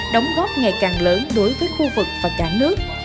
đóng góp ngày càng lớn đối với khu vực và cả nước